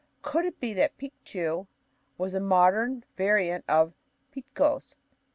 Could it be that "Picchu" was the modern variant of "Pitcos"?